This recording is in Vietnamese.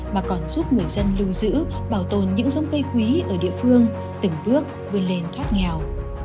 mà còn giúp người dân lưu giữ bảo tồn những giống cây quý ở địa phương từng bước vươn lên thoát nghèo